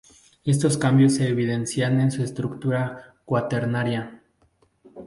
Estos cambios se evidencian en su estructura cuaternaria.